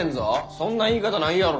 そんな言い方ないやろ。